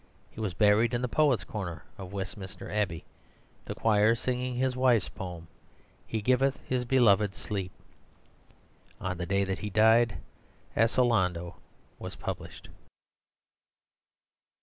He was buried in the Poets' Corner of Westminster Abbey, the choir singing his wife's poem, "He giveth His beloved sleep." On the day that he died Asolando was published.